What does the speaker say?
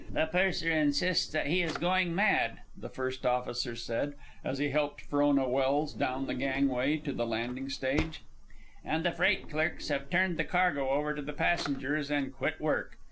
"The purser insists that he is going mad," the first officer said, as he helped Frona Welse down the gangway to the landing stage, "and the freight clerks have turned the cargo over to the passengers and quit work.